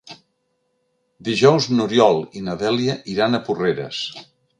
Dijous n'Oriol i na Dèlia iran a Porreres.